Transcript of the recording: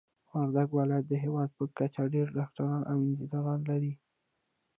وردګ ولايت د هيواد په کچه ډير ډاکټران او انجنيران لري.